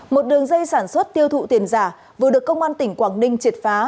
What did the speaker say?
một đường dây sản xuất tiêu thụ tiền giả vừa được công an tỉnh quảng ninh triệt phá